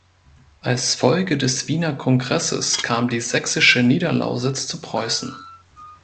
Als Folge des Wiener Kongresses kam die sächsische Niederlausitz zu Preußen.